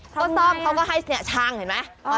ก็ซ่อมเขาก็ให้ชั่งเห็นไหมทำอะไร